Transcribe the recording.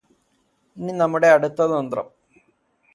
ഇനി നമ്മുടെ അടുത്ത തന്ത്രം